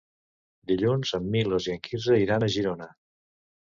Dilluns en Milos i en Quirze iran a Girona.